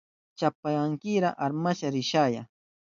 Chapawankira armak risharaya.